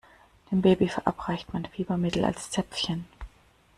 Dem Baby verabreicht man Fiebermittel als Zäpfchen.